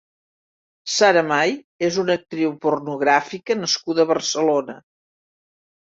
Sara May és una actriu pornogràfica nascuda a Barcelona.